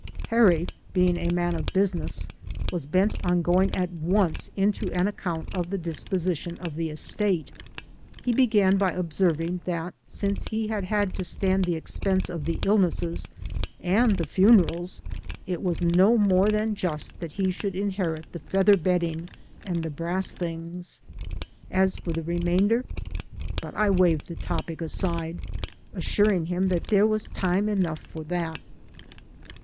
Harry, being a man of business, was bent on going at once into an account of the disposition of the estate. He began by observing that since he had had to stand ^e expense of the illnesses and the funerals, it was no more than just that he should inherit the feather bedding and the brass things. As for the remainder — but I waved the topic aside, assuring him that there was time enough for that.